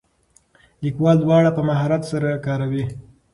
لیکوال دواړه په مهارت سره کاروي.